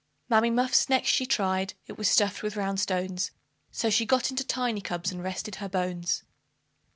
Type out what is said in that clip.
Mammy Muffs next she tried; it was stuffed with round stones, So she got into Tiny cub's and rested her bones.